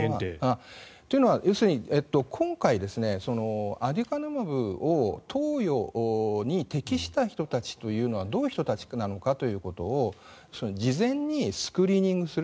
というのは要するに今回アデュカヌマブを投与に適した人たちというのはどういう人たちなのかということを事前にスクリーニングする。